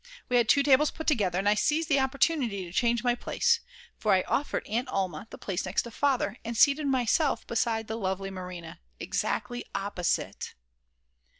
We had two tables put together, and I seized the opportunity to change my place, for I offered Aunt Alma the place next Father and seated myself beside the lovely Marina, exactly opposite